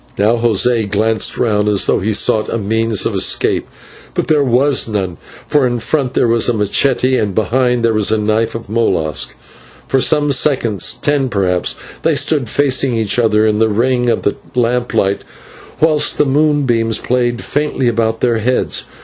Now José glanced round as though he sought a means of escape, but there was none, for in front was the /machete/ and behind was the knife of Molas. For some seconds ten perhaps they stood facing each other in the ring of the lamp light, whilst the moonbeams played faintly about their heads.